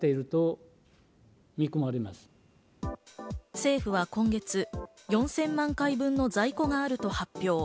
政府は今月、４０００万回分の在庫があると発表。